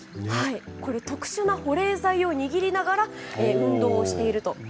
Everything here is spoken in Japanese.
特殊な保冷剤を握りながら運動していると。